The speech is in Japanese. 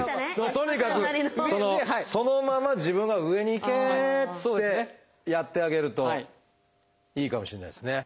とにかくそのまま自分が上に行けってやってあげるといいかもしれないですね。